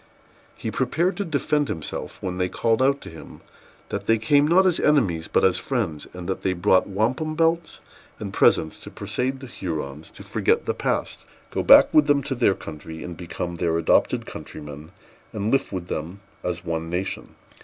He prepared to defend himself, when they called out to him, that they came not as enemies, but as friends, and that they brought wampum belts and presents to persuade the Hurons to forget the past, go back with them to their country, become their adopted countrymen, and live with them as one nation.